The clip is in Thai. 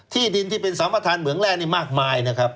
ที่ดินที่เป็นสัมประธานเหมืองแร่นี่มากมายนะครับ